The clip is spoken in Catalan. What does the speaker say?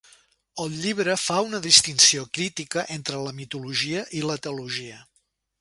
El llibre fa una distinció crítica entre la mitologia i la teologia.